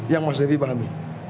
yang mas devi pahami